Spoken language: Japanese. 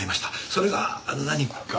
それが何か？